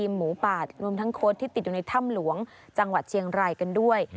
หมูป่ารวมทั้งโค้ดที่ติดอยู่ในถ้ำหลวงจังหวัดเชียงรายกันด้วย